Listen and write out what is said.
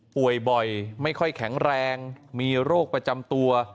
ป่วยบ่อยไม่ค่อยแข็งแรงมีโรคประจำตัว